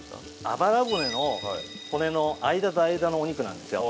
あばら骨の骨の間と間のお肉なんですよ。